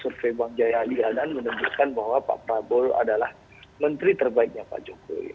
survei bang jaya lianan menunjukkan bahwa pak prabowo adalah menteri terbaiknya pak jokowi